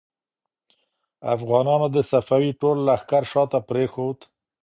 افغانانو د صفوي ټول لښکر شا ته پرېښود.